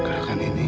gerakan ini apa dia